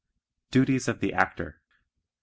Duties of the Actor 4.